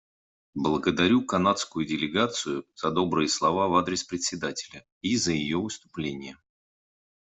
Благодарю канадскую делегацию за добрые слова в адрес Председателя и за ее выступление.